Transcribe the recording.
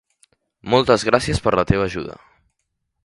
Moltes gràcies per la teva ajuda.